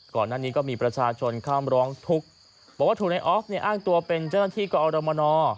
ก่อนหน้านี้ก็มีประชาชนข้ามร้องทุกข์บอกว่าถูกในออฟเนี่ยอ้างตัวเป็นเจ้าหน้าที่กอรมน